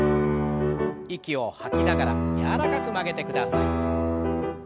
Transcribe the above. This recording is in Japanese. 息を吐きながら柔らかく曲げてください。